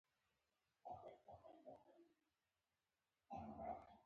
لومړی ګام لومړني چمتووالي او ټاکنیز مقاومت دی.